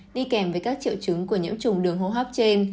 đi kèm với các triệu chứng của nhiễm trùng đường hô hấp trên